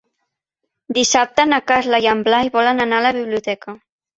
Dissabte na Carla i en Blai volen anar a la biblioteca.